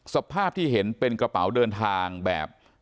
สภาพที่เห็นเป็นกระเป๋าเดินทางแบบ